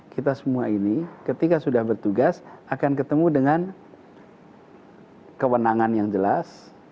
kita semua ini ketika sudah bertugas akan ketemu dengan kewenangan yang jelas